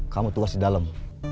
kamu tugas di dalem